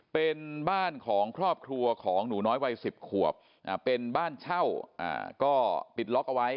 เป็นบ้านของครอบครัวของหนูน้อยวัย๑๐ขวบเป็นบ้านเช่าก็ปิดล็อกเอาไว้